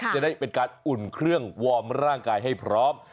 จะได้เป็นการอุ่นเครื่องวอร์มร่างกายให้พร้อม